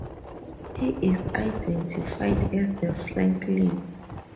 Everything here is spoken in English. He is identified as the Franklin.